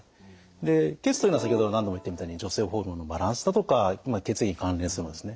で血というのは先ほど何度も言ったみたいに女性ホルモンのバランスだとか血液に関連するものですね。